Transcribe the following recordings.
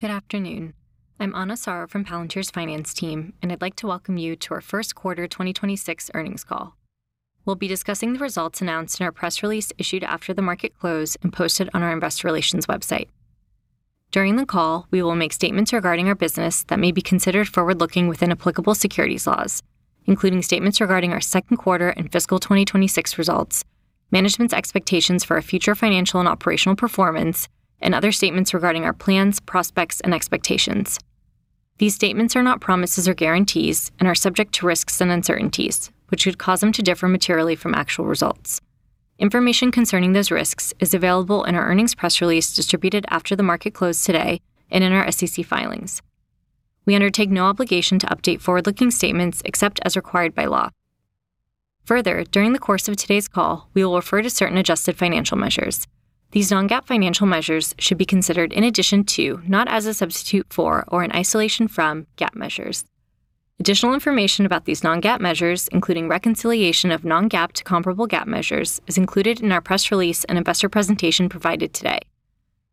Good afternoon. I'm Ana Soro from Palantir's finance team, and I'd like to welcome you to our first quarter 2026 earnings call. We'll be discussing the results announced in our press release issued after the market close and posted on our investor relations website. During the call, we will make statements regarding our business that may be considered forward-looking within applicable securities laws, including statements regarding our second quarter and fiscal 2026 results, management's expectations for our future financial and operational performance, and other statements regarding our plans, prospects, and expectations. These statements are not promises or guarantees and are subject to risks and uncertainties, which could cause them to differ materially from actual results. Information concerning those risks is available in our earnings press release distributed after the market closed today and in our SEC filings. We undertake no obligation to update forward-looking statements except as required by law. Further, during the course of today's call, we will refer to certain adjusted financial measures. These non-GAAP financial measures should be considered in addition to, not as a substitute for or an isolation from, GAAP measures. Additional information about these non-GAAP measures, including reconciliation of non-GAAP to comparable GAAP measures, is included in our press release and investor presentation provided today.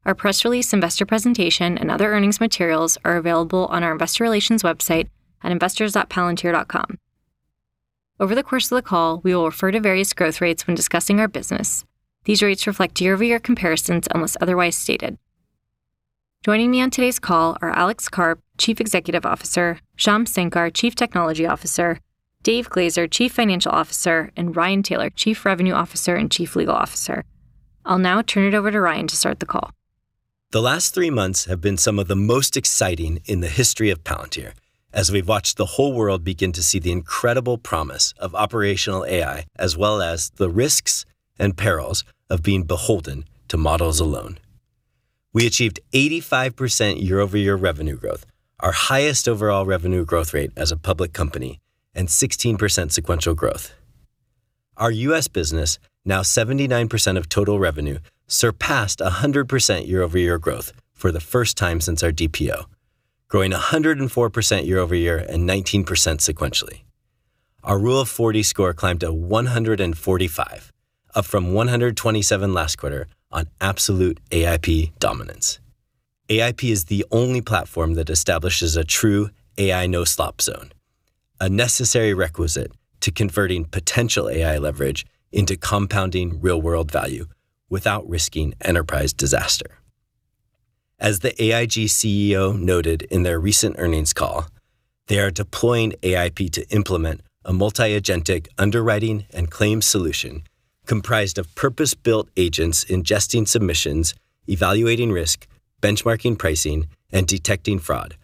Our press release, investor presentation, and other earnings materials are available on our investor relations website at investors.palantir.com. Over the course of the call, we will refer to various growth rates when discussing our business. These rates reflect YoY comparisons unless otherwise stated. Joining me on today's call are Alex Karp, Chief Executive Officer, Shyam Sankar, Chief Technology Officer, Dave Glazer, Chief Financial Officer, and Ryan Taylor, Chief Revenue Officer and Chief Legal Officer. I'll now turn it over to Ryan to start the call. The last three months have been some of the most exciting in the history of Palantir as we've watched the whole world begin to see the incredible promise of operational AI, as well as the risks and perils of being beholden to models alone. We achieved 85% YoY revenue growth, our highest overall revenue growth rate as a public company, and 16% sequential growth. Our U.S. business, now 79% of total revenue, surpassed 100% YoY growth for the first time since our DPO, growing 104% YoY and 19% sequentially. Our Rule of 40 score climbed to 145, up from 127 last quarter on absolute AIP dominance. AIP is the only platform that establishes a true AI no-slop zone, a necessary requisite to converting potential AI leverage into compounding real-world value without risking enterprise disaster. As the AIG CEO noted in their recent earnings call, they are deploying AIP to implement a multi-agentic underwriting and claims solution comprised of purpose-built agents ingesting submissions, evaluating risk, benchmarking pricing, and detecting fraud,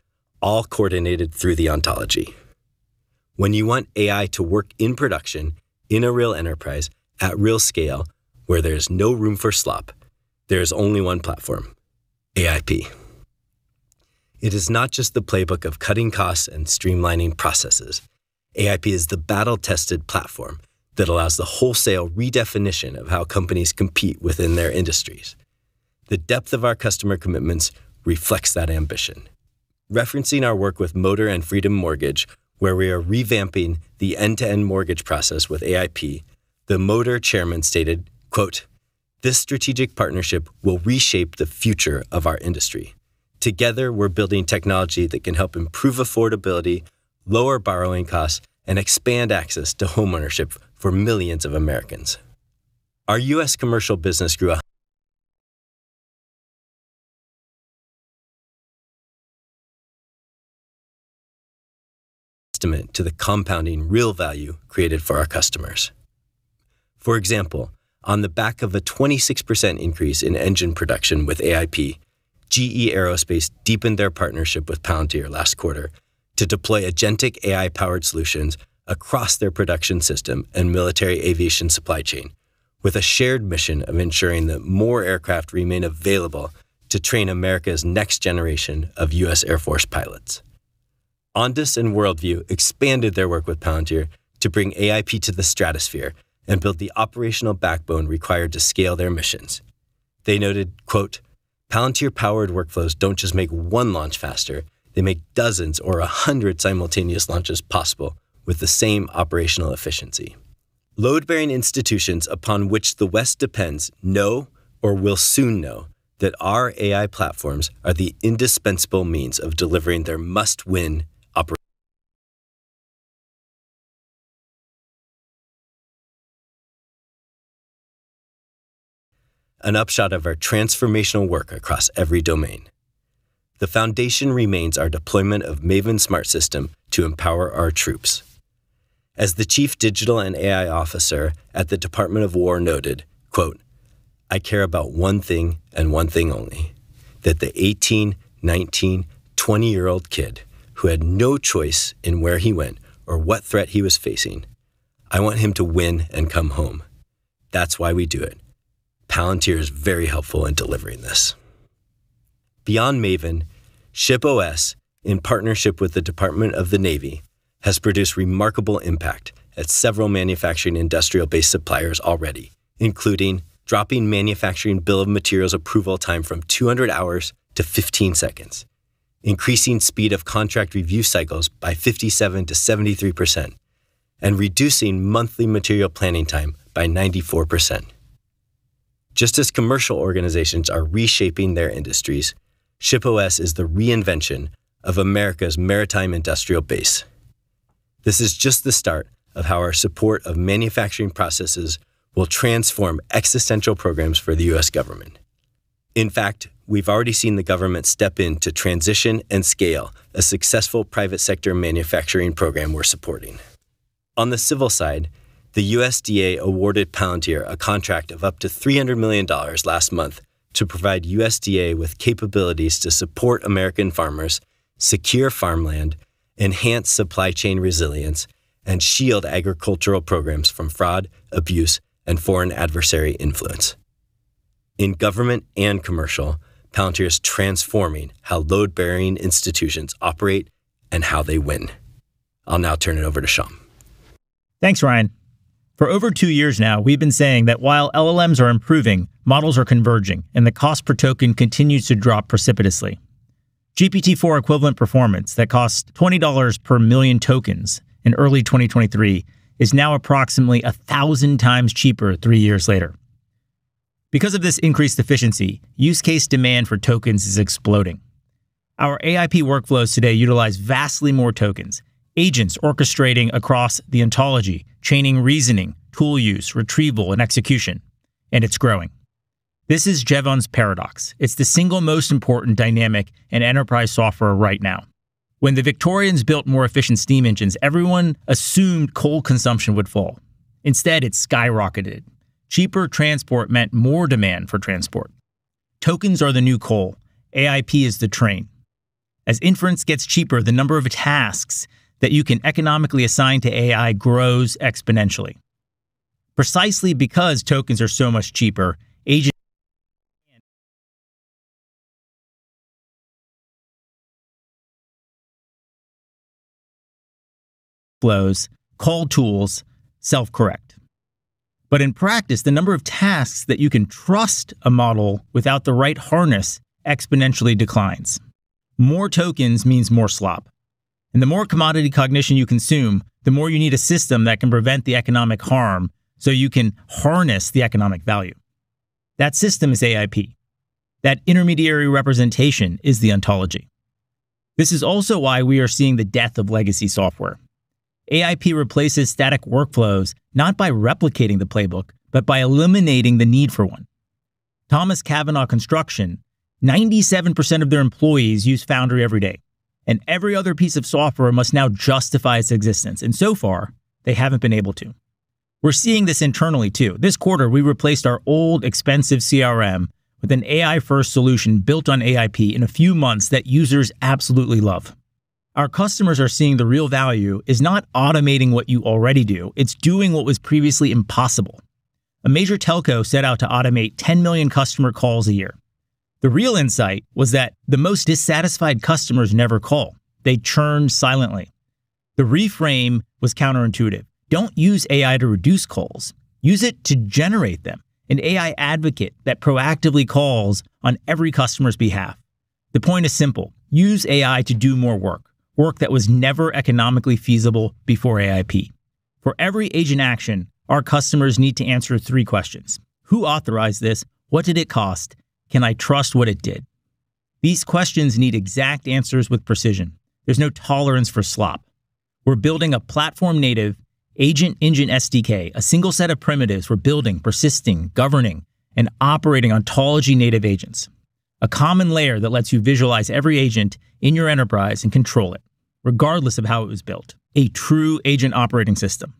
all coordinated through the ontology. When you want AI to work in production in a real enterprise at real scale where there's no room for slop, there is only one platform, AIP. It is not just the playbook of cutting costs and streamlining processes. AIP is the battle-tested platform that allows the wholesale redefinition of how companies compete within their industries. The depth of our customer commitments reflects that ambition. Referencing our work with Moder and Freedom Mortgage, where we are revamping the end-to-end mortgage process with AIP, the Moder chairman stated, quote, "This strategic partnership will reshape the future of our industry. Together, we're building technology that can help improve affordability, lower borrowing costs, and expand access to homeownership for millions of Americans. Our U.S. commercial business grew, a testament to the compounding real value created for our customers. For example, on the back of a 26% increase in engine production with AIP, GE Aerospace deepened their partnership with Palantir last quarter to deploy agentic AI-powered solutions across their production system and military aviation supply chain with a shared mission of ensuring that more aircraft remain available to train America's next generation of U.S. Air Force pilots. Ondas and World View expanded their work with Palantir to bring AIP to the stratosphere and build the operational backbone required to scale their missions. They noted, quote, "Palantir-powered workflows don't just make one launch faster. They make dozens or 100 simultaneous launches possible with the same operational efficiency. Load-bearing institutions upon which the West depends know or will soon know that our AI platforms are the indispensable means of delivering their must-win operations. An upshot of our transformational work across every domain. The foundation remains our deployment of Maven Smart System to empower our troops. As the Chief Digital and AI Officer at the Department of War noted, quote, "I care about one thing and one thing only, that the 18, 19, 20-year-old kid who had no choice in where he went or what threat he was facing, I want him to win and come home. That's why we do it." Palantir is very helpful in delivering this. Beyond Maven, ShipOS, in partnership with the Department of the Navy, has produced remarkable impact at several manufacturing industrial-based suppliers already, including dropping manufacturing bill of materials approval time from 200 hours to 15 seconds, increasing speed of contract review cycles by 57%-73%, and reducing monthly material planning time by 94%. Just as commercial organizations are reshaping their industries, ShipOS is the reinvention of America's maritime industrial base. This is just the start of how our support of manufacturing processes will transform existential programs for the U.S. government. In fact, we've already seen the government step in to transition and scale a successful private sector manufacturing program we're supporting. On the civil side, the USDA awarded Palantir a contract of up to $300 million last month to provide USDA with capabilities to support American farmers, secure farmland, enhance supply chain resilience, and shield agricultural programs from fraud, abuse, and foreign adversary influence. In government and commercial, Palantir is transforming how load-bearing institutions operate and how they win. I'll now turn it over to Shyam. Thanks, Ryan. For over two years now, we've been saying that while LLMs are improving, models are converging, and the cost per token continues to drop precipitously. GPT-4 equivalent performance that cost $20 per million tokens in early 2023 is now approximately 1,000x cheaper three years later. Because of this increased efficiency, use case demand for tokens is exploding. Our AIP workflows today utilize vastly more tokens, agents orchestrating across the ontology, chaining reasoning, tool use, retrieval, and execution, and it's growing. This is Jevons paradox. It's the single most important dynamic in enterprise software right now. When the Victorians built more efficient steam engines, everyone assumed coal consumption would fall. Instead, it skyrocketed. Cheaper transport meant more demand for transport. Tokens are the new coal. AIP is the train. As inference gets cheaper, the number of tasks that you can economically assign to AI grows exponentially. Precisely because tokens are so much cheaper, agent flows call tools self-correct. In practice, the number of tasks that you can trust a model without the right harness exponentially declines. More tokens means more slop, and the more commodity cognition you consume, the more you need a system that can prevent the economic harm so you can harness the economic value. That system is AIP. That intermediary representation is the ontology. This is also why we are seeing the death of legacy software. AIP replaces static workflows not by replicating the playbook, but by eliminating the need for one. Thomas Cavanagh Construction, 97% of their employees use Foundry every day, and every other piece of software must now justify its existence, and so far, they haven't been able to. We're seeing this internally too. This quarter, we replaced our old expensive CRM with an AI-first solution built on AIP in a few months that users absolutely love. Our customers are seeing the real value is not automating what you already do. It's doing what was previously impossible. A major telco set out to automate 10 million customer calls a year. The real insight was that the most dissatisfied customers never call. They churn silently. The reframe was counterintuitive. Don't use AI to reduce calls. Use it to generate them. An AI advocate that proactively calls on every customer's behalf. The point is simple: Use AI to do more work that was never economically feasible before AIP. For every agent action, our customers need to answer three questions. Who authorized this? What did it cost? Can I trust what it did? These questions need exact answers with precision. There's no tolerance for slop. We're building a platform-native agent engine SDK, a single set of primitives for building, persisting, governing, and operating ontology-native agents. A common layer that lets you visualize every agent in your enterprise and control it, regardless of how it was built. A true agent operating system.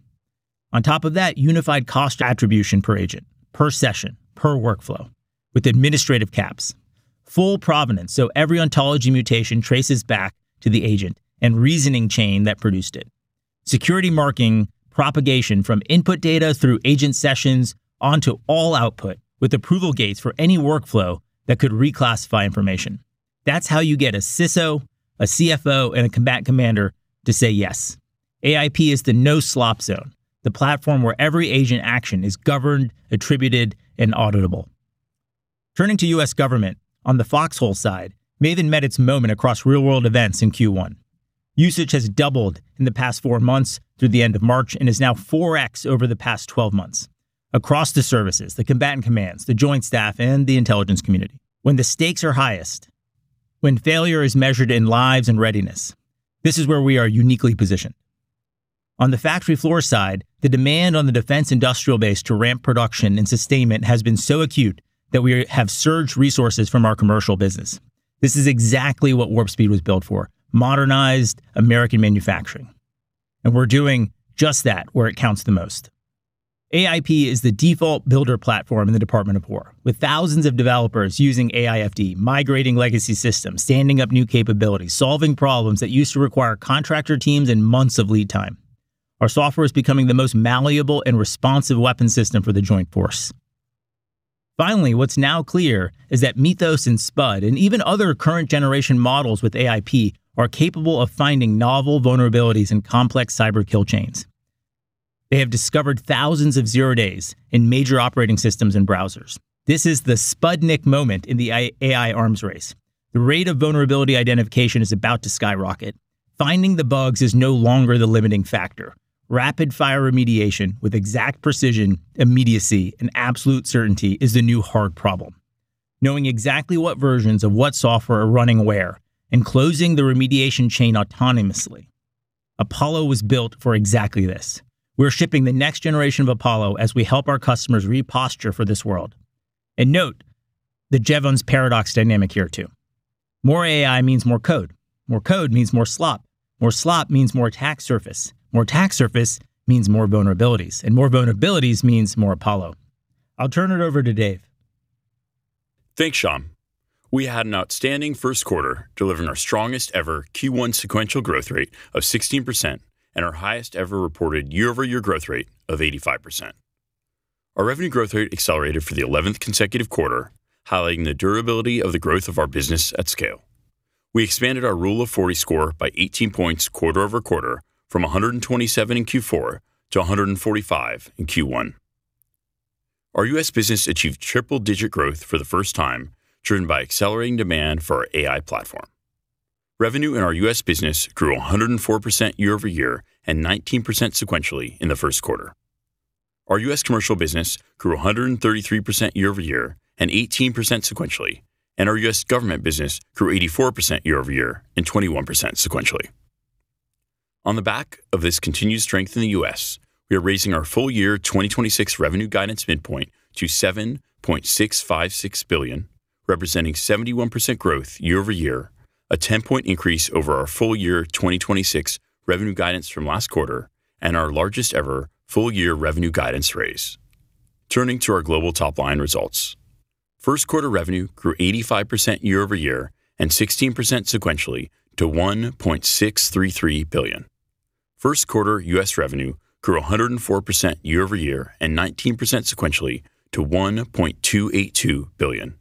On top of that, unified cost attribution per agent, per session, per workflow, with administrative caps. Full provenance, so every ontology mutation traces back to the agent and reasoning chain that produced it. Security marking propagation from input data through agent sessions onto all output with approval gates for any workflow that could reclassify information. That's how you get a CISO, a CFO, and a combat commander to say yes. AIP is the no slop zone, the platform where every agent action is governed, attributed, and auditable. Turning to U.S. government, on the Foxhole side, Maven met its moment across real-world events in Q1. Usage has doubled in the past four months through the end of March and is now 4x over the past 12 months across the services, the combatant commands, the joint staff, and the intelligence community. When the stakes are highest, when failure is measured in lives and readiness, this is where we are uniquely positioned. On the factory floor side, the demand on the defense industrial base to ramp production and sustainment has been so acute that we have surged resources from our commercial business. This is exactly what Warp Speed was built for, modernized American manufacturing, and we're doing just that where it counts the most. AIP is the default builder platform in the Department of War, with thousands of developers using AI FDE, migrating legacy systems, standing up new capabilities, solving problems that used to require contractor teams and months of lead time. Our software is becoming the most malleable and responsive weapon system for the joint force. What's now clear is that Mythos and Spud and even other current generation models with AIP are capable of finding novel vulnerabilities in complex cyber kill chains. They have discovered thousands of zero days in major operating systems and browsers. This is the Sputnik moment in the AI arms race. The rate of vulnerability identification is about to skyrocket. Finding the bugs is no longer the limiting factor. Rapid-fire remediation with exact precision, immediacy, and absolute certainty is the new hard problem. Knowing exactly what versions of what software are running where and closing the remediation chain autonomously. Apollo was built for exactly this. We're shipping the next generation of Apollo as we help our customers re-posture for this world. Note the Jevons paradox dynamic here too. More AI means more code. More code means more slop. More slop means more attack surface. More attack surface means more vulnerabilities. More vulnerabilities means more Apollo. I'll turn it over to Dave. Thanks, Shyam. We had an outstanding 1st quarter delivering our strongest ever Q1 sequential growth rate of 16% and our highest ever reported YoY growth rate of 85%. Our revenue growth rate accelerated for the 11th consecutive quarter, highlighting the durability of the growth of our business at scale. We expanded our Rule of 40 score by 18 points QoQ from 127 in Q4 to 145 in Q1. Our U.S. business achieved triple-digit growth for the 1st time, driven by accelerating demand for our AI platform. Revenue in our U.S. business grew 104% YoY and 19% sequentially in the 1st quarter. Our U.S. commercial business grew 133% YoY and 18% sequentially, and our U.S. government business grew 84% YoY and 21% sequentially. On the back of this continued strength in the U.S., we are raising our full year 2026 revenue guidance midpoint to $7.656 billion, representing 71% growth YoY, a 10-point increase over our full year 2026 revenue guidance from last quarter and our largest ever full year revenue guidance raise. Turning to our global top-line results. First quarter revenue grew 85% YoY and 16% sequentially to $1.633 billion. First quarter U.S. revenue grew 104% YoY and 19% sequentially to $1.282 billion.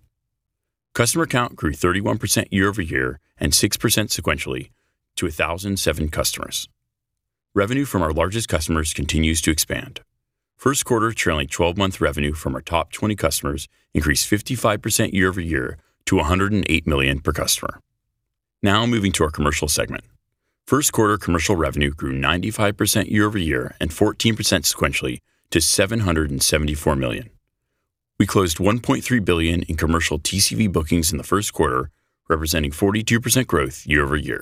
Customer count grew 31% YoY and 6% sequentially to 1,007 customers. Revenue from our largest customers continues to expand. First quarter trailing 12-month revenue from our top 20 customers increased 55% YoY to $108 million per customer. Moving to our Commercial segment. First quarter Commercial revenue grew 95% YoY and 14% sequentially to $774 million. We closed $1.3 billion in commercial TCV bookings in the first quarter, representing 42% growth YoY.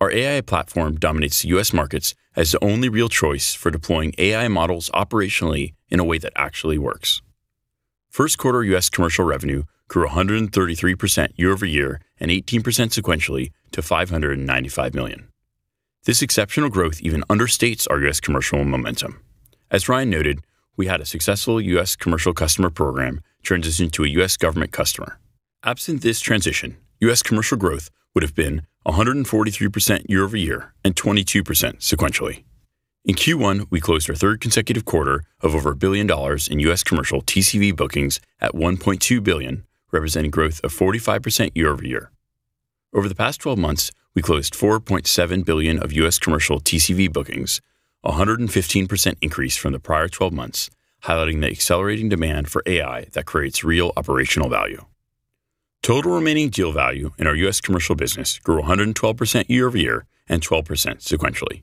Our AI platform dominates the U.S. markets as the only real choice for deploying AI models operationally in a way that actually works. First quarter U.S. commercial revenue grew 133% YoY and 18% sequentially to $595 million. This exceptional growth even understates our U.S. commercial momentum. As Ryan noted, we had a successful U.S. commercial customer program transition to a U.S. government customer. Absent this transition, U.S. commercial growth would have been 143% YoY and 22% sequentially. In Q1, we closed our third consecutive quarter of over $1 billion in U.S. commercial TCV bookings at $1.2 billion, representing growth of 45% YoY. Over the past 12 months, we closed $4.7 billion of U.S. commercial TCV bookings, 115% increase from the prior 12 months, highlighting the accelerating demand for AI that creates real operational value. Total remaining deal value in our U.S. commercial business grew 112% YoY and 12% sequentially.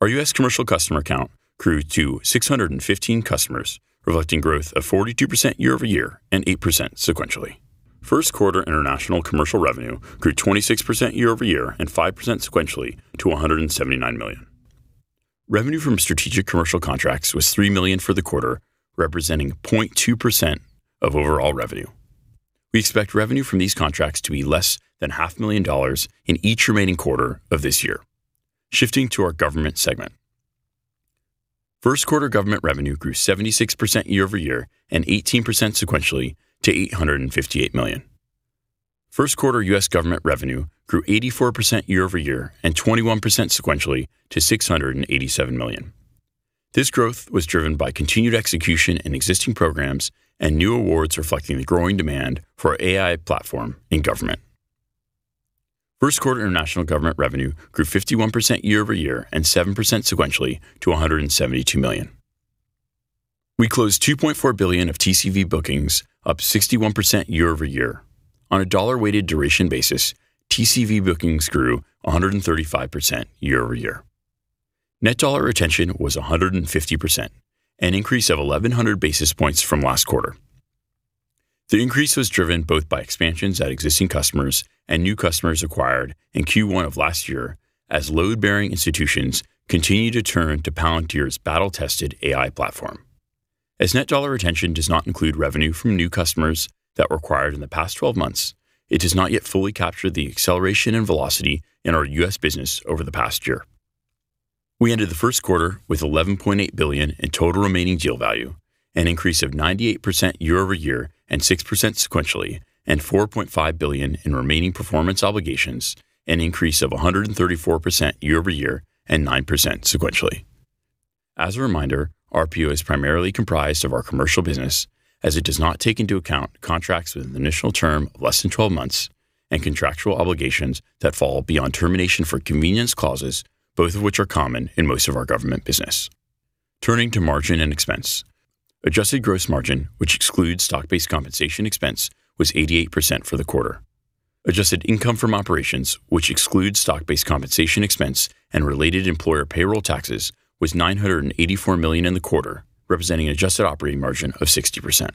Our U.S. commercial customer count grew to 615 customers, reflecting growth of 42% YoY and 8% sequentially. First quarter international commercial revenue grew 26% YoY and 5% sequentially to $179 million. Revenue from strategic commercial contracts was $3 million for the quarter, representing 0.2% of overall revenue. We expect revenue from these contracts to be less than half a million dollars in each remaining quarter of this year. Shifting to our Government Segment. First quarter Government revenue grew 76% YoY and 18% sequentially to $858 million. First quarter U.S. Government revenue grew 84% YoY and 21% sequentially to $687 million. This growth was driven by continued execution in existing programs and new awards reflecting the growing demand for our AI Platform in Government. First quarter international Government revenue grew 51% YoY and 7% sequentially to $172 million. We closed $2.4 billion of TCV bookings, up 61% YoY. On a dollar-weighted duration basis, TCV bookings grew 135% YoY. Net dollar retention was 150%, an increase of 1,100 basis points from last quarter. The increase was driven both by expansions at existing customers and new customers acquired in Q1 of last year as load-bearing institutions continue to turn to Palantir's battle-tested AI platform. As net dollar retention does not include revenue from new customers that were acquired in the past 12 months, it does not yet fully capture the acceleration and velocity in our U.S. business over the past year. We ended the first quarter with $11.8 billion in total remaining deal value, an increase of 98% YoY and 6% sequentially, and $4.5 billion in Remaining performance obligations, an increase of 134% YoY and 9% sequentially. As a reminder, RPO is primarily comprised of our commercial business as it does not take into account contracts with an initial term of less than 12 months and contractual obligations that fall beyond termination for convenience clauses, both of which are common in most of our government business. Turning to margin and expense. Adjusted gross margin, which excludes stock-based compensation expense, was 88% for the quarter. Adjusted income from operations, which excludes stock-based compensation expense and related employer payroll taxes, was $984 million in the quarter, representing adjusted operating margin of 60%.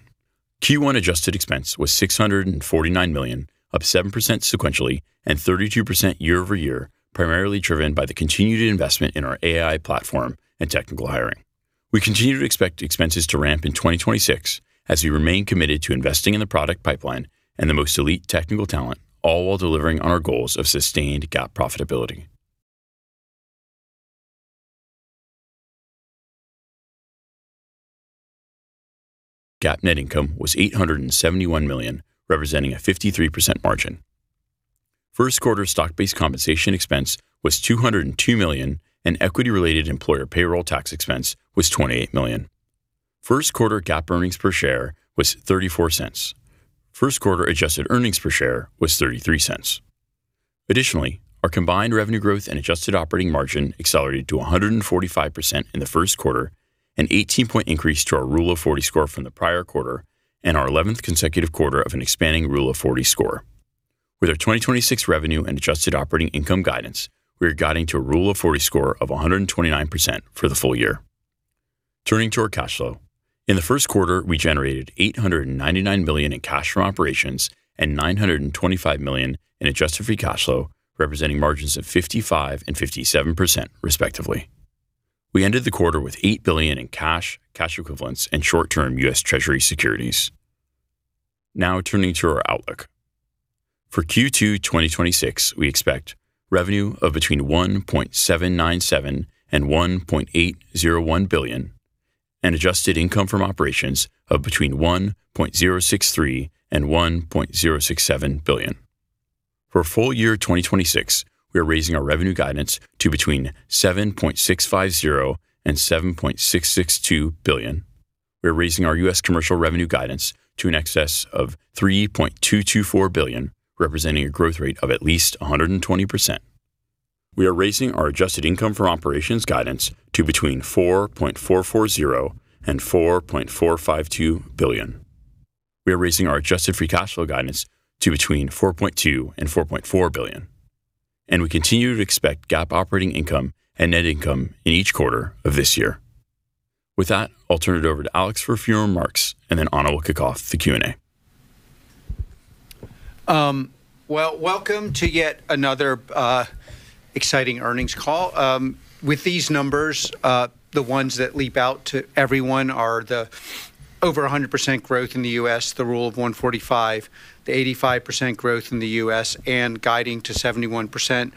Q1 adjusted expense was $649 million, up 7% sequentially and 32% YoY, primarily driven by the continued investment in our AI platform and technical hiring. We continue to expect expenses to ramp in 2026 as we remain committed to investing in the product pipeline and the most elite technical talent, all while delivering on our goals of sustained GAAP profitability. GAAP net income was $871 million, representing a 53% margin. First quarter stock-based compensation expense was $202 million, and equity-related employer payroll tax expense was $28 million. First quarter GAAP earnings per share was $0.34. First quarter adjusted earnings per share was $0.33. Additionally, our combined revenue growth and adjusted operating margin accelerated to 145% in the first quarter, an 18-point increase to our Rule of 40 score from the prior quarter, and our 11th consecutive quarter of an expanding Rule of 40 score. With our 2026 revenue and adjusted operating income guidance, we are guiding to a Rule of 40 score of 129% for the full year. Turning to our cash flow. In the first quarter, we generated $899 million in cash from operations and $925 million in adjusted free cash flow, representing margins of 55% and 57%, respectively. We ended the quarter with $8 billion in cash equivalents, and short-term U.S. Treasury securities. Now turning to our outlook. For Q2 2026, we expect revenue of between $1.797 billion and $1.801 billion and adjusted income from operations of between $1.063 billion and $1.067 billion. For full year 2026, we are raising our revenue guidance to between $7.650 billion and $7.662 billion. We are raising our U.S. commercial revenue guidance to in excess of $3.224 billion, representing a growth rate of at least 120%. We are raising our adjusted income from operations guidance to between $4.440 billion and $4.452 billion. We are raising our adjusted free cash flow guidance to between $4.2 billion and $4.4 billion, and we continue to expect GAAP operating income and net income in each quarter of this year. With that, I'll turn it over to Alex for a few remarks, and then Ana will kick off the Q&A. Well, welcome to yet another exciting earnings call. With these numbers, the ones that leap out to everyone are the over 100% growth in the U.S., the rule of 145, the 85% growth in the U.S., and guiding to 71%,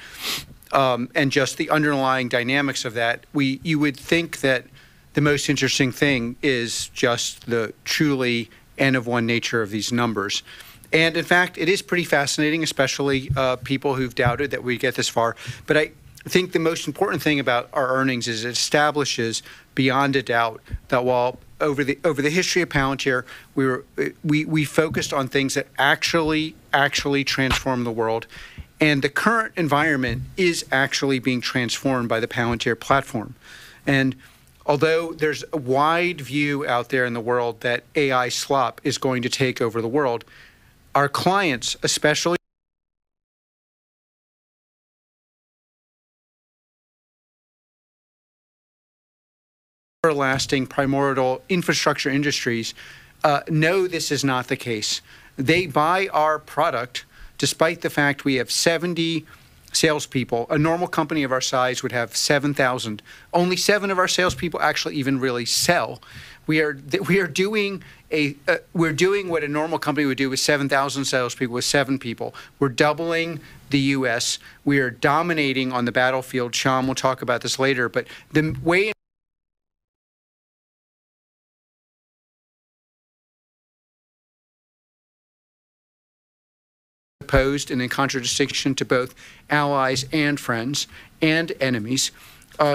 and just the underlying dynamics of that. You would think that the most interesting thing is just the truly N of one nature of these numbers. In fact, it is pretty fascinating, especially people who've doubted that we'd get this far. I think the most important thing about our earnings is it establishes beyond a doubt that while over the history of Palantir, we focused on things that actually transform the world, and the current environment is actually being transformed by the Palantir platform. Although there's a wide view out there in the world that AI slop is going to take over the world, our clients, especially everlasting primordial infrastructure industries, know this is not the case. They buy our product despite the fact we have 70 salespeople. A normal company of our size would have 7,000. Only seven of our salespeople actually even really sell. We are doing what a normal company would do with 7,000 salespeople, with seven people. We're doubling the U.S. We are dominating on the battlefield. Shyam will talk about this later. The way opposed and in contradistinction to both allies and friends and enemies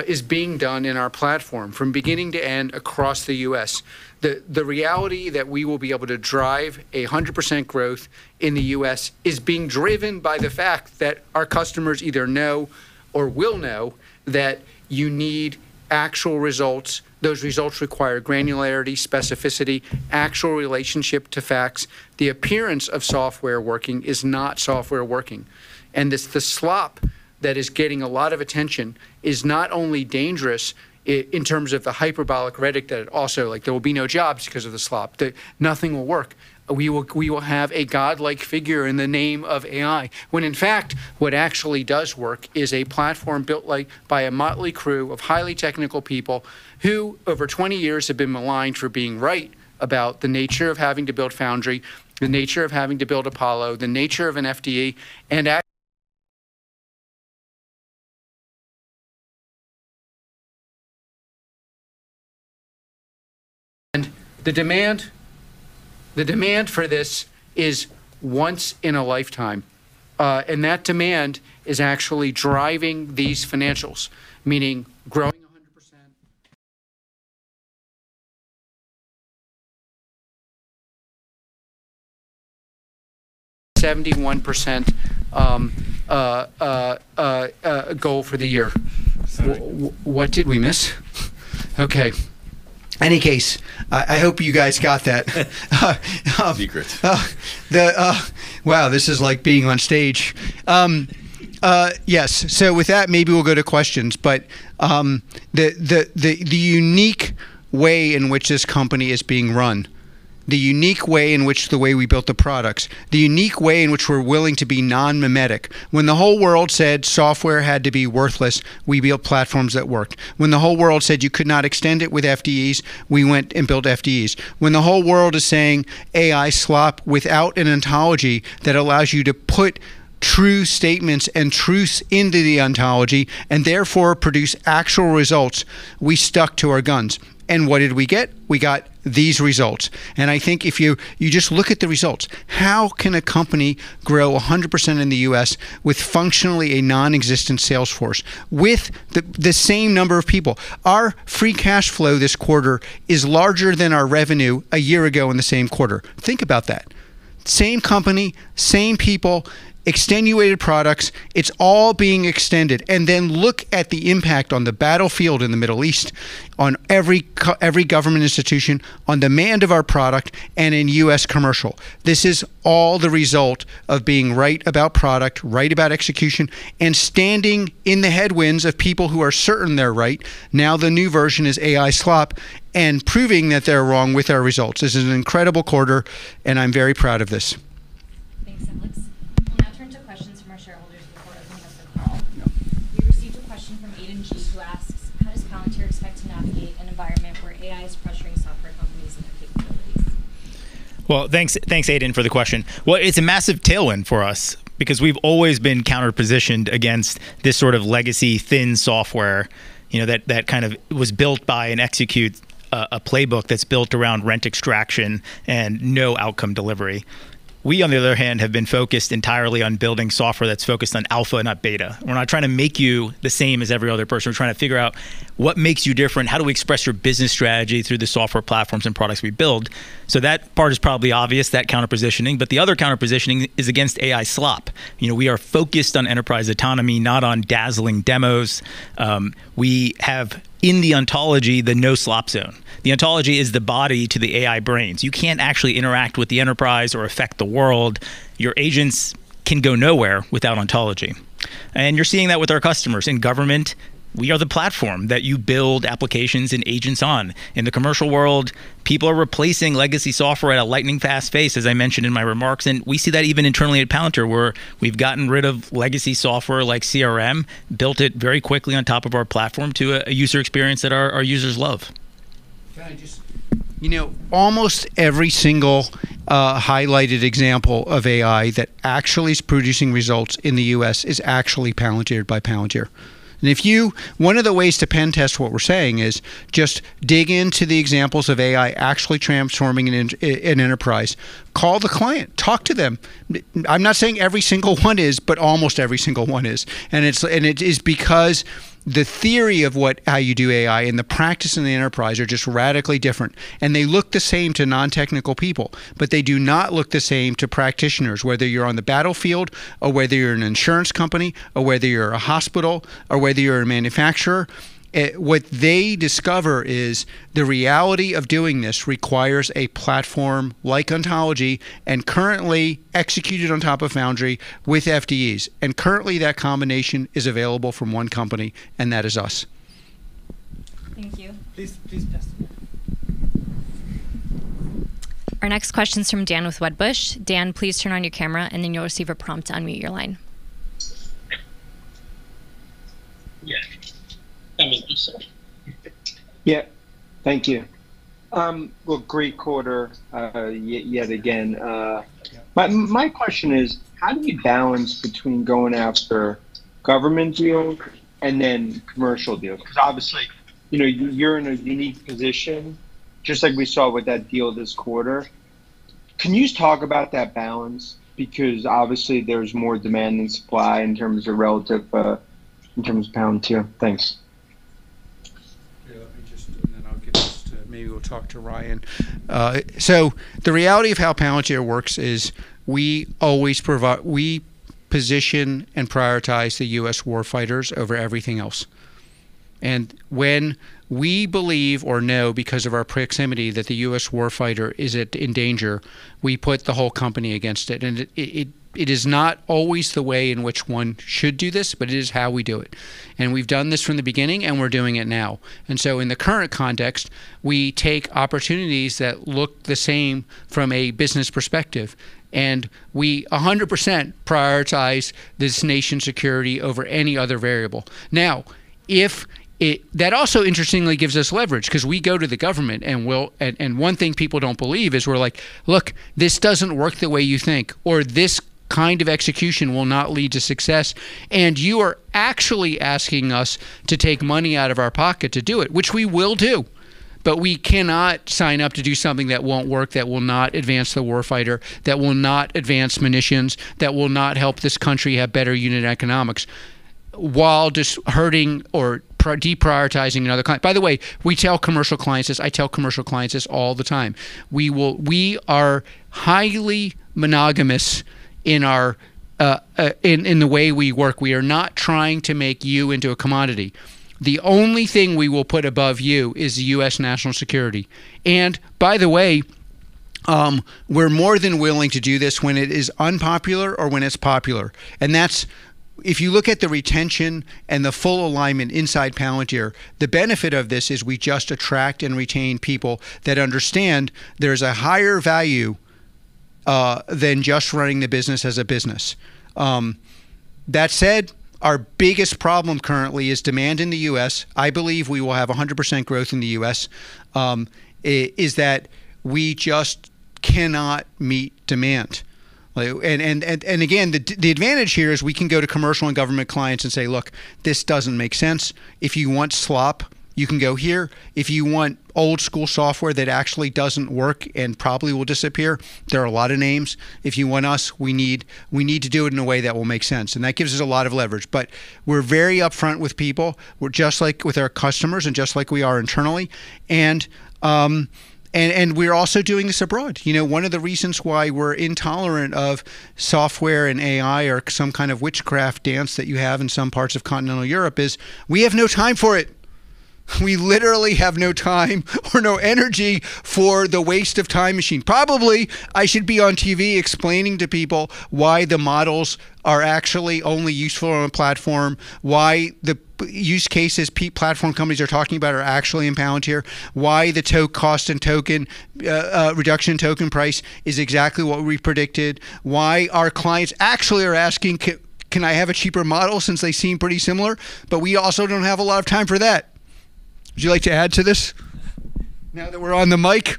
is being done in our platform from beginning to end across the U.S. The reality that we will be able to drive 100% growth in the U.S. is being driven by the fact that our customers either know or will know that you need actual results. Those results require granularity, specificity, actual relationship to facts. The appearance of software working is not software working. This, the slop that is getting a lot of attention is not only dangerous in terms of the hyperbolic rhetoric that it also, like there will be no jobs because of the slop, that nothing will work. We will have a godlike figure in the name of AI. When in fact, what actually does work is a platform built like by a motley crew of highly technical people who over 20 years have been maligned for being right about the nature of having to build Foundry, the nature of having to build Apollo, the nature of an AI FDE. The demand for this is once in a lifetime, and that demand is actually driving these financials, meaning growing 100%, 71% goal for the year. Sorry. What did we miss? Okay. Any case, I hope you guys got that. Secrets. Wow, this is like being on stage. Yes. With that, maybe we'll go to questions. The unique way in which this company is being run, the unique way in which the way we built the products, the unique way in which we're willing to be non-memetic. When the whole world said software had to be worthless, we built platforms that worked. When the whole world said you could not extend it with FDEs, we went and built FDEs. When the whole world is saying AI slop without an ontology that allows you to put true statements and truths into the ontology, and therefore produce actual results, we stuck to our guns. What did we get? We got these results. I think if you just look at the results, how can a company grow 100% in the U.S. with functionally a non-existent sales force, with the same number of people? Our free cash flow this quarter is larger than our revenue a year ago in the same quarter. Think about that. Same company, same people, extended products. It's all being extended. Then look at the impact on the battlefield in the Middle East, on every government institution, on demand of our product, and in U.S. commercial. This is all the result of being right about product, right about execution, and standing in the headwinds of people who are certain they're right. The new version is AI slop, and proving that they're wrong with our results. This is an incredible quarter, and I'm very proud of this. We, on the other hand, have been focused entirely on building software that's focused on alpha, not beta. We're not trying to make you the same as every other person. We're trying to figure out what makes you different, how do we express your business strategy through the software platforms and products we build. That part is probably obvious, that counter-positioning, but the other counter-positioning is against AI slop. You know, we are focused on enterprise autonomy, not on dazzling demos. We have in the ontology the no slop zone. The ontology is the body to the AI brains. You can't actually interact with the enterprise or affect the world. Your agents can go nowhere without ontology. You're seeing that with our customers. In government, we are the platform that you build applications and agents on. In the commercial world, people are replacing legacy software at a lightning-fast pace, as I mentioned in my remarks, and we see that even internally at Palantir, where we've gotten rid of legacy software like CRM, built it very quickly on top of our platform to a user experience that our users love. You know, almost every single highlighted example of AI that actually is producing results in the U.S. is actually Palantired by Palantir. If you One of the ways to pen test what we're saying is just dig into the examples of AI actually transforming an enterprise. Call the client. Talk to them. I'm not saying every single one is, almost every single one is. It is because the theory of what, how you do AI and the practice in the enterprise are just radically different. They look the same to non-technical people, they do not look the same to practitioners, whether you're on the battlefield, or whether you're an insurance company, or whether you're a hospital, or whether you're a manufacturer. What they discover is the reality of doing this requires a platform like Ontology and currently executed on top of Foundry with FDEs. Currently, that combination is available from one company, and that is us. Thank you. Please pass. Our next question's from Dan with Wedbush. Dan, please turn on your camera, and then you'll receive a prompt to unmute your line. Yeah. One moment please, sorry. Yeah. Thank you. Well, great quarter, yet again. My question is: How do you balance between going after government deals and then commercial deals? Because obviously, you know, you're in a unique position, just like we saw with that deal this quarter. Can you just talk about that balance? Because obviously there's more demand than supply in terms of relative, in terms of Palantir. Thanks. I'll give this to, maybe we'll talk to Ryan. The reality of how Palantir works is we always position and prioritize the U.S. war fighters over everything else. When we believe or know because of our proximity that the U.S. war fighter is in danger, we put the whole company against it. It is not always the way in which one should do this, but it is how we do it. We've done this from the beginning, and we're doing it now. In the current context, we take opportunities that look the same from a business perspective, and we 100% prioritize this nation's security over any other variable. That also interestingly gives us leverage because we go to the government and one thing people don't believe is we're like, "Look, this doesn't work the way you think," or, "This kind of execution will not lead to success, and you are actually asking us to take money out of our pocket to do it," which we will do. We cannot sign up to do something that won't work, that will not advance the war fighter, that will not advance munitions, that will not help this country have better unit economics. While just hurting or deprioritizing another, by the way, we tell commercial clients this, I tell commercial clients this all the time: we are highly monogamous in our in the way we work. We are not trying to make you into a commodity. The only thing we will put above you is the U.S. national security. By the way, we're more than willing to do this when it is unpopular or when it's popular. If you look at the retention and the full alignment inside Palantir, the benefit of this is we just attract and retain people that understand there's a higher value than just running the business as a business. That said, our biggest problem currently is demand in the U.S., I believe we will have 100% growth in the U.S., is that we just cannot meet demand. Again, the advantage here is we can go to commercial and government clients and say, "Look, this doesn't make sense. If you want slop, you can go here. If you want old school software that actually doesn't work and probably will disappear, there are a lot of names. If you want us, we need to do it in a way that will make sense. That gives us a lot of leverage. We're very upfront with people. We're just like with our customers and just like we are internally. We're also doing this abroad. You know, one of the reasons why we're intolerant of software and AI or some kind of witchcraft dance that you have in some parts of continental Europe is we have no time for it. We literally have no time or no energy for the waste of time machine. Probably, I should be on TV explaining to people why the models are actually only useful on a platform, why the use cases platform companies are talking about are actually in Palantir, why the cost and token reduction in token price is exactly what we've predicted, why our clients actually are asking, "Can I have a cheaper model since they seem pretty similar?" We also don't have a lot of time for that. Would you like to add to this now that we're on the mic?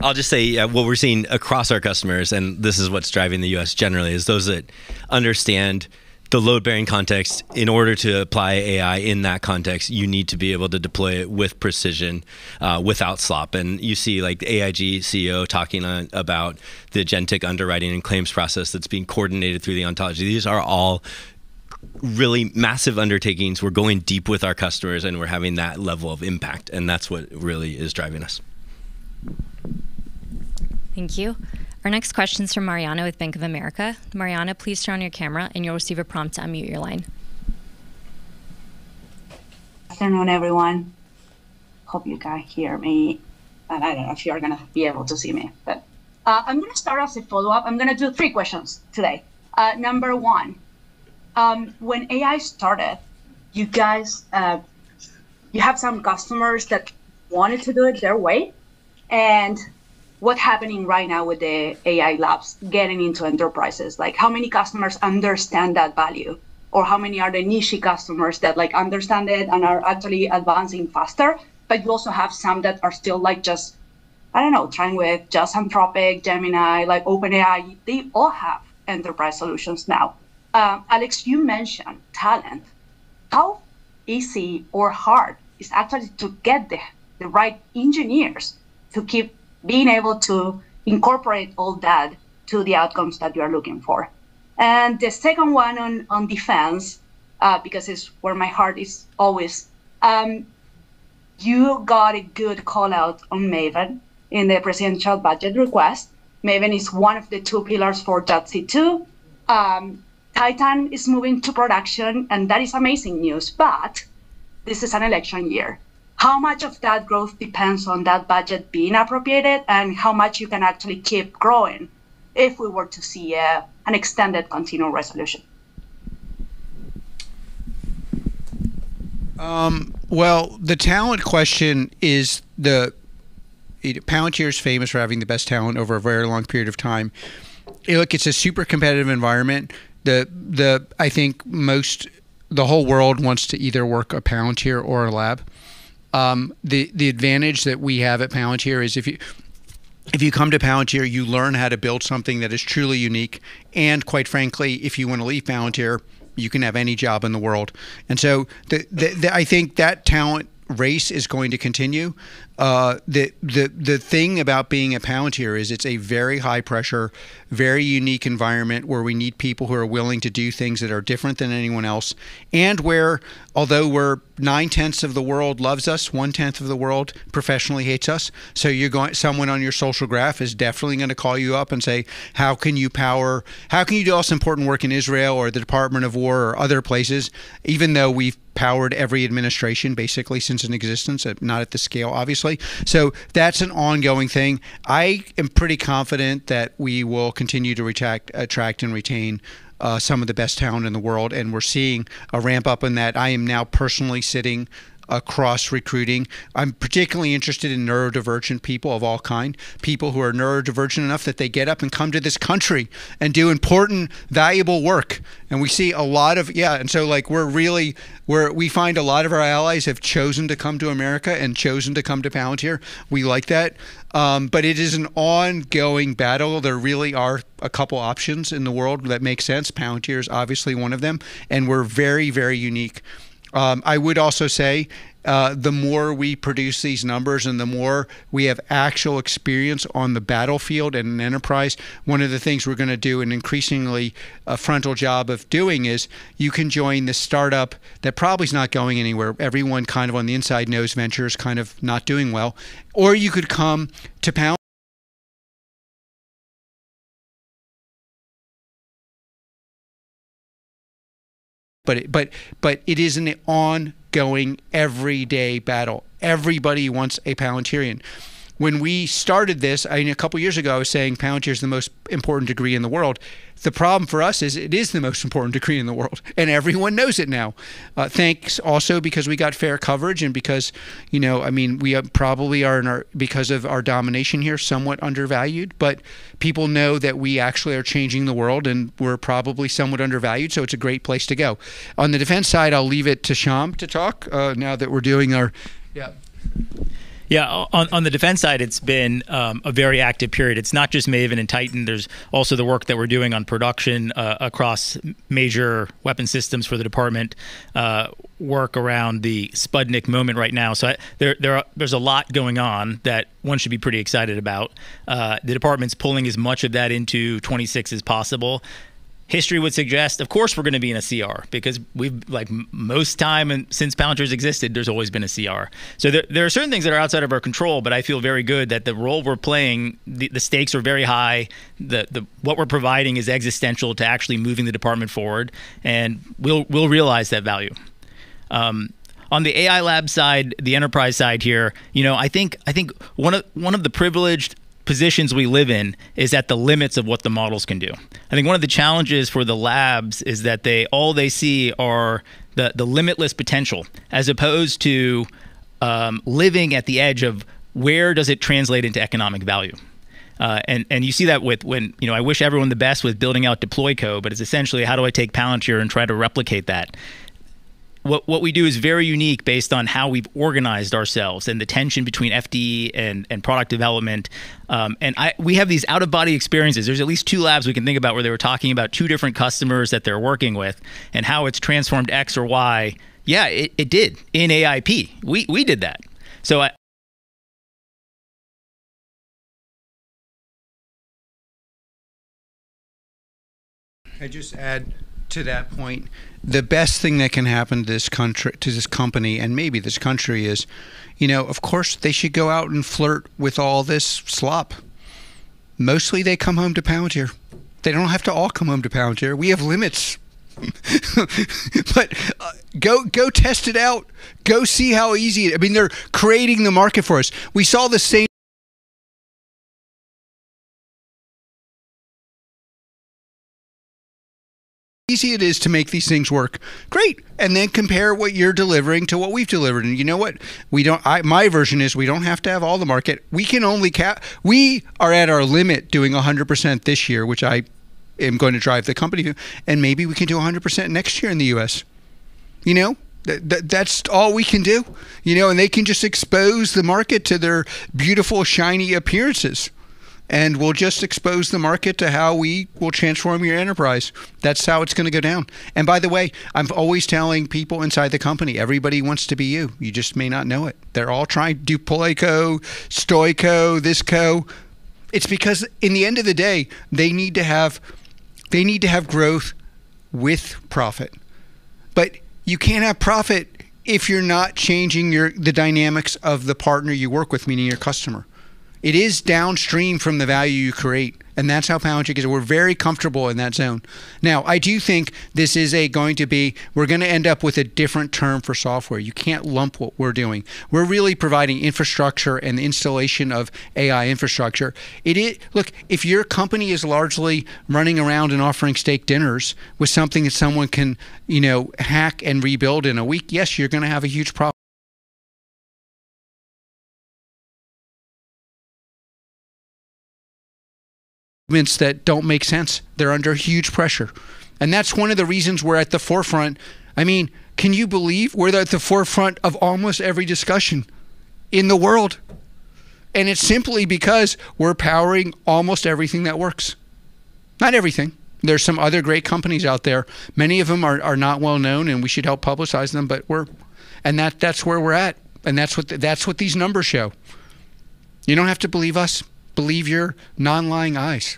I'll just say what we're seeing across our customers, and this is what's driving the U.S. generally, is those that understand the load-bearing context. In order to apply AI in that context, you need to be able to deploy it with precision, without slop. You see like AIG CEO talking about the agentic underwriting and claims process that's being coordinated through the ontology. These are all really massive undertakings. We're going deep with our customers, and we're having that level of impact, and that's what really is driving us. Thank you. Our next question's from Mariana with Bank of America. Mariana, please turn on your camera, and you'll receive a prompt to unmute your line. Good afternoon, everyone. Hope you can hear me. I don't know if you are gonna be able to see me. I'm gonna start as a follow-up. I'm gonna do three questions today. Number one, when AI started, you guys, you have some customers that wanted to do it their way, and what happening right now with the AI labs getting into enterprises? Like, how many customers understand that value? How many are the niche customers that like understand it and are actually advancing faster? You also have some that are still like just, I don't know, trying with just Anthropic, Gemini, like OpenAI. They all have enterprise solutions now. Alex, you mentioned talent. How easy or hard is actually to get the right engineers to keep being able to incorporate all that to the outcomes that you are looking for? The second one on defense, because it's where my heart is always. You got a good call-out on Maven in the presidential budget request. Maven is one of the two pillars for Project Maven. TITAN is moving to production, and that is amazing news. This is an election year. How much of that growth depends on that budget being appropriated, and how much you can actually keep growing if we were to see an extended continuing resolution? Well, the talent question is the. Palantir is famous for having the best talent over a very long period of time. Look, it's a super competitive environment. The whole world wants to either work at Palantir or a lab. The advantage that we have at Palantir is if you, if you come to Palantir, you learn how to build something that is truly unique. Quite frankly, if you want to leave Palantir, you can have any job in the world. So I think that talent race is going to continue. The thing about being at Palantir is it's a very high pressure, very unique environment where we need people who are willing to do things that are different than anyone else, and where although we're 9/10 of the world loves us, 1/10 of the world professionally hates us. Someone on your social graph is definitely gonna call you up and say, "How can you do all this important work in Israel or the Department of Defense or other places?" Even though we've powered every administration basically since in existence, not at this scale, obviously. That's an ongoing thing. I am pretty confident that we will continue to attract and retain some of the best talent in the world, and we're seeing a ramp-up in that. I am now personally sitting across recruiting. I'm particularly interested in neurodivergent people of all kind, people who are neurodivergent enough that they get up and come to this country and do important, valuable work. We see a lot of. Yeah, so like we find a lot of our allies have chosen to come to America and chosen to come to Palantir. We like that. It is an ongoing battle. There really are a couple options in the world that make sense. Palantir is obviously one of them, and we're very, very unique. I would also say, the more we produce these numbers and the more we have actual experience on the battlefield in an enterprise, one of the things we're gonna do, and increasingly a frontal job of doing, is you can join this startup that probably is not going anywhere. Everyone kind of on the inside knows venture is kind of not doing well. You could come to Pal-. It is an ongoing everyday battle. Everybody wants a Palantirian. When we started this, I mean, two years ago, I was saying Palantir is the most important degree in the world. The problem for us is it is the most important degree in the world, and everyone knows it now. Thanks also because we got fair coverage and because, you know, I mean, we probably are because of our domination here, somewhat undervalued, but people know that we actually are changing the world, and we're probably somewhat undervalued, so it's a great place to go. On the defense side, I'll leave it to Shyam to talk, now that we're doing our-. Yeah. Yeah, on the defense side, it's been a very active period. It's not just Maven and TITAN. There's also the work that we're doing on production across major weapon systems for the Department, work around the Sputnik moment right now. There's a lot going on that one should be pretty excited about. The Department's pulling as much of that into 2026 as possible. History would suggest, of course, we're gonna be in a CR because we've like most time in since Palantir's existed, there's always been a CR. There are certain things that are outside of our control, but I feel very good that the role we're playing, the stakes are very high. The what we're providing is existential to actually moving the Department forward, and we'll realize that value. On the AI lab side, the enterprise side here, you know, I think one of the privileged positions we live in is at the limits of what the models can do. I think one of the challenges for the labs is that all they see are the limitless potential, as opposed to living at the edge of where does it translate into economic value. You see that with You know, I wish everyone the best with building out deploy co, but it's essentially how do I take Palantir and try to replicate that? What we do is very unique based on how we've organized ourselves and the tension between FD and product development. We have these out-of-body experiences. There's at least two labs we can think about where they were talking about two different customers that they're working with and how it's transformed X or Y. Yeah, it did in AIP. We did that. I just add to that point, the best thing that can happen to this company and maybe this country is, you know, of course, they should go out and flirt with all this slop. Mostly, they come home to Palantir. They don't have to all come home to Palantir. We have limits. Go, go test it out. Go see how easy it. I mean, they're creating the market for us. We saw the same easy it is to make these things work. Great. Then compare what you're delivering to what we've delivered. You know what? My version is we don't have to have all the market. We can only cap. We are at our limit doing 100% this year, which I am going to drive the company to, and maybe we can do 100% next year in the U.S. You know. That's all we can do. You know, they can just expose the market to their beautiful, shiny appearances, and we'll just expose the market to how we will transform your enterprise. That's how it's gonna go down. By the way, I'm always telling people inside the company, everybody wants to be you. You just may not know it. They're all trying deploy co, stoic co, this co. It's because in the end of the day, they need to have growth with profit. You can't have profit if you're not changing your the dynamics of the partner you work with, meaning your customer. It is downstream from the value you create. That's how Palantir gets it. We're very comfortable in that zone. I do think this is we're going to end up with a different term for software. You can't lump what we're doing. We're really providing infrastructure and the installation of AI infrastructure. Look, if your company is largely running around and offering steak dinners with something that someone can, you know, hack and rebuild in a week, yes, you're going to have a huge pro... Means that don't make sense. They're under huge pressure. That's one of the reasons we're at the forefront. I mean, can you believe we're at the forefront of almost every discussion in the world? It's simply because we're powering almost everything that works. Not everything. There's some other great companies out there. Many of them are not well known, and we should help publicize them. That's where we're at, that's what these numbers show. You don't have to believe us. Believe your non-lying eyes.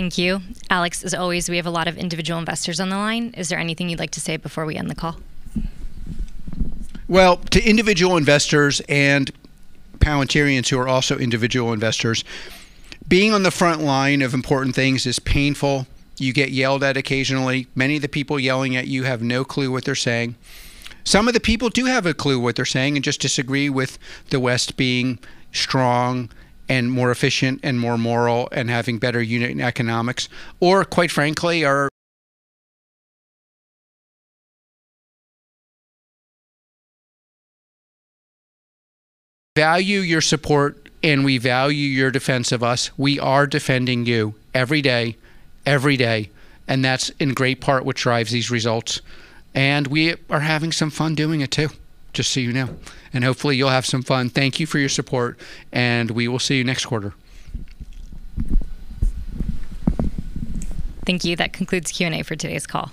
Thank you. Alex, as always, we have a lot of individual investors on the line. Is there anything you'd like to say before we end the call? To individual investors and Palantirians who are also individual investors, being on the front line of important things is painful. You get yelled at occasionally. Many of the people yelling at you have no clue what they're saying. Some of the people do have a clue what they're saying and just disagree with the West being strong and more efficient and more moral and having better unit economics. We value your support, and we value your defense of us. We are defending you every day, and that's in great part what drives these results. We are having some fun doing it too, just so you know. Hopefully you'll have some fun. Thank you for your support, and we will see you next quarter. Thank you. That concludes Q&A for today's call.